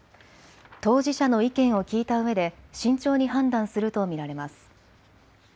当事者の意見を聞いたうえで慎重に判断すると見られます。